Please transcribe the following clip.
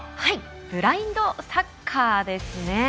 ブラインドサッカーです。